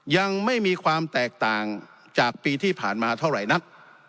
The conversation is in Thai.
ยังไม่มีความแตกต่างจากปีที่ผ่านมาเท่าไหร่นัก